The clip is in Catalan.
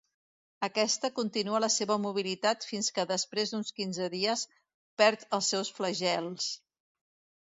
Aquest continua la seva mobilitat fins que després d'uns quinze dies perd els seus flagels.